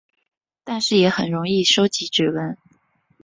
但是也很容易收集指纹。